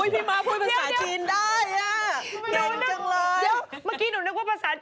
พี่ม้าพูดภาษาจีนได้แก่นจังเลย